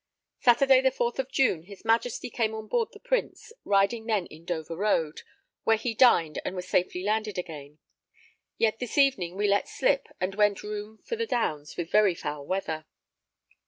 Saturday the 4th of June, his Majesty came on board the Prince, riding then in Dover Road, where he dined and was safely landed again. Yet this evening we let slip and went room for the Downs with very foul weather.